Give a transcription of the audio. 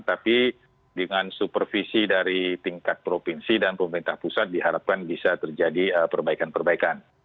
tapi dengan supervisi dari tingkat provinsi dan pemerintah pusat diharapkan bisa terjadi perbaikan perbaikan